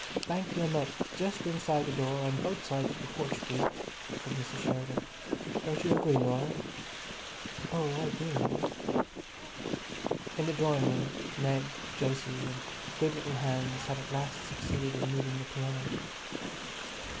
"Bank them up, just inside the door, on both sides of the porch, please," said Mrs. Sheridan. "Don't you agree, Laura?" "Oh, I do, mother." In the drawing room Meg, Jose and good little Hans had at last succeeded in moving the piano.